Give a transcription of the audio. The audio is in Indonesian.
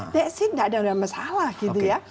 tidak ada masalah gitu ya